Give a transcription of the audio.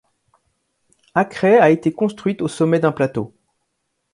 Akrai a été construite au sommet d'un plateau.